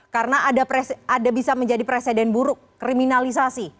karena ada bisa menjadi presiden buruk kriminalisasi